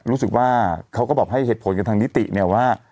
รู้สึกว่าเขาก็บอกให้เหตุผลกับทางนิติเนี่ยว่า